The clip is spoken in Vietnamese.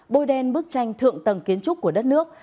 bôi đen bức tranh thượng tầng kiến trúc của đất nước